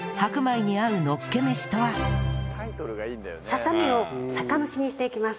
ささみを酒蒸しにしていきます。